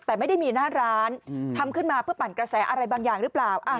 แต่ไม่ได้มีหน้าร้านทำขึ้นมาเพื่อปั่นกระแสอะไรบางอย่างหรือเปล่า